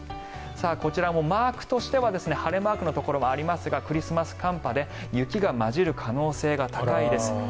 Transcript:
こちらもマークとしては晴れマークのところがありますがクリスマス寒波で雪が交じる可能性が高いです。